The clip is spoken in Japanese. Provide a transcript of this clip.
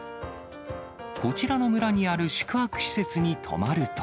こちらの村にある宿泊施設に泊まると。